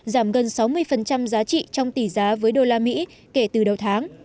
giảm gần sáu mươi giá trị trong tỷ giá với đô la mỹ kể từ đầu tháng